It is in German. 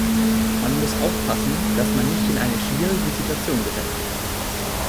Man muss aufpassen, dass man nicht in eine schwierige Situation gerät.